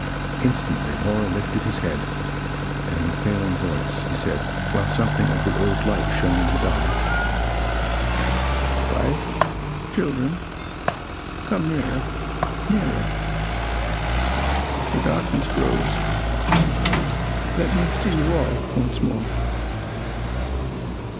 Instantly Laura lifted his head and in a failing voice he said, while something of the old light shone in his eyes: "Wife children come nearer nearer. The darkness grows. Let me see you all, once more."